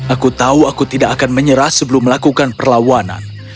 aku tahu aku tidak akan menyerah sebelum melakukan perlawanan